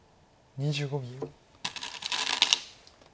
２５秒。